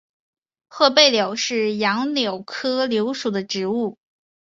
褐背柳是杨柳科柳属的植物。